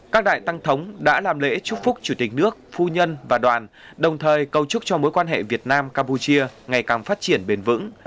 các đại tăng thống đã làm lễ chúc phúc chủ tịch nước phu nhân và đoàn đồng thời cầu chúc cho mối quan hệ việt nam campuchia ngày càng phát triển bền vững